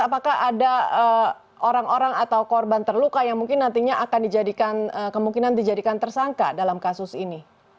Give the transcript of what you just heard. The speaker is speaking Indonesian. apakah ada orang orang atau korban terluka yang mungkin nantinya akan dijadikan kemungkinan dijadikan tersangka dalam kasus ini